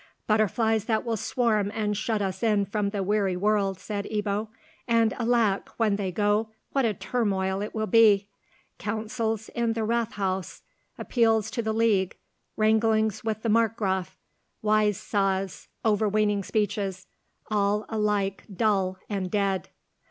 "Butterflies that will swarm and shut us in from the weary world," said Ebbo. "And alack! when they go, what a turmoil it will be! Councils in the Rathhaus, appeals to the League, wranglings with the Markgraf, wise saws, overweening speeches, all alike dull and dead."